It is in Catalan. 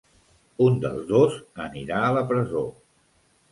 Un dels dos anirà a la presó!